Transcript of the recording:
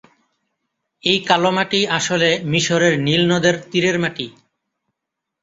এই কালো মাটি আসলে মিশরের নীল নদের তীরের মাটি।